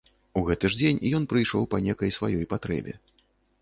У гэты ж дзень ён прыйшоў па нейкай сваёй патрэбе.